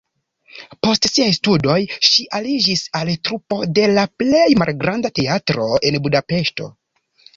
Post siaj studoj ŝi aliĝis al trupo de la plej malgranda teatro en Budapeŝto.